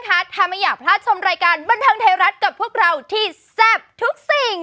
ถ้าไม่อยากพลาดชมรายการบันเทิงไทยรัฐกับพวกเราที่แซ่บทุกสิ่ง